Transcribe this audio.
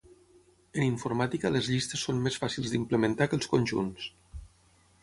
En informàtica les llistes són més fàcils d'implementar que els conjunts.